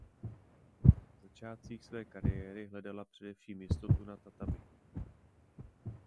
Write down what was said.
V začátcích své kariéry hledala především jistotu na tatami.